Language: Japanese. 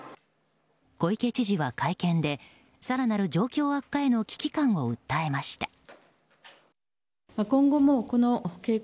小池知事は会見で更なる状況悪化への危機感を訴えました。